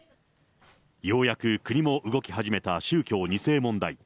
ようやく国も動き始めた宗教２世問題。